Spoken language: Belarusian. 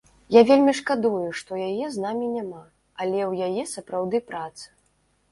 Я вельмі шкадую, што яе з намі няма, але ў яе сапраўды праца.